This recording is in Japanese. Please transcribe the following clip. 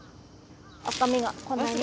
赤みがこんなに。